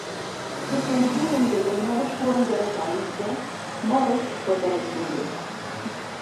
Jotend din bende nyalo puonjo e kanise, mosque koda e skunde